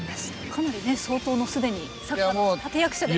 かなりね相当の既にサッカーの立て役者で。